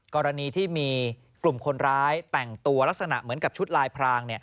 กรณีที่มีกลุ่มคนร้ายแต่งตัวลักษณะเหมือนกับชุดลายพราง